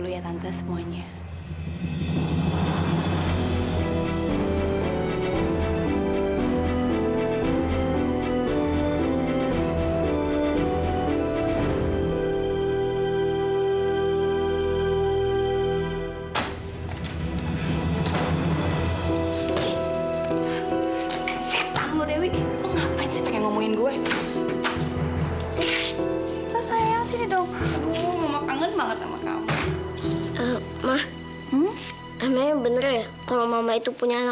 bukan tante lila